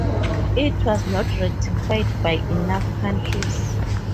It was not ratified by enough countries.